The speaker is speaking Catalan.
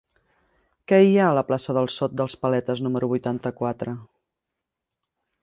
Què hi ha a la plaça del Sot dels Paletes número vuitanta-quatre?